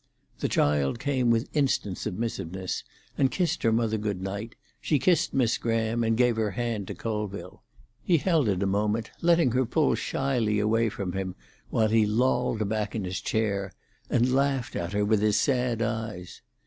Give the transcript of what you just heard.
The child came with instant submissiveness and kissed her mother good night; she kissed Miss Graham, and gave her hand to Colville. He held it a moment, letting her pull shyly away from him, while he lolled back in his chair, and laughed at her with his sad eyes.